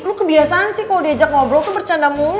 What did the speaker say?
lo kebiasaan sih kalo diajak ngobrol tuh bercanda mulu